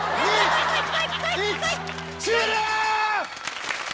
終了！